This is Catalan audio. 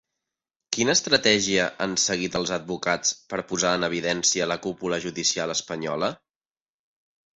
Quina estratègia han seguit els advocats per posar en evidència la cúpula judicial espanyola?